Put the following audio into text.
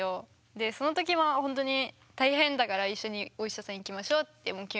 でその時はほんとに大変だから一緒にお医者さん行きましょうってもう急に。